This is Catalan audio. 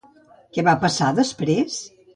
Què va passar després?